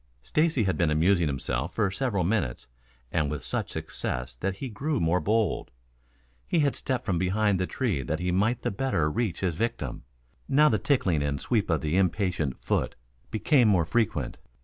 Stacy had been amusing himself for several minutes and with such success that he grew more bold. He had stepped from behind the tree that he might the better reach his victim. Now the tickling and the sweep of the impatient hoof became more frequent.